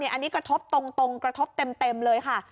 อันนี้กระทบตรงกระทบเต็มเลยค่ะ